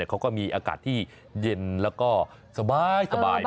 เขาก็มีอากาศที่เย็นแล้วก็สบายแบบนี้ครับ